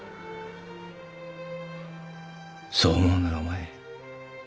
そう思うならお前。